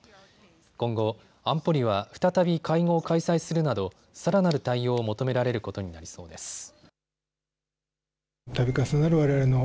今後、安保理は再び会合を開催するなどさらなる対応を求められることになりそうです。